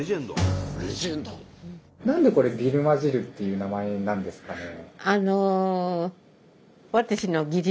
何でこれ「ビルマ汁」っていう名前なんですかね？